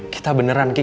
kita beneran kiki